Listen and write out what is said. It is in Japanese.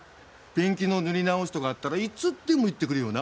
ペンキの塗り直しとかあったらいつでも言ってくれよな。